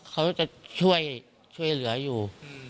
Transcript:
เขาจะช่วยเหลืออยู่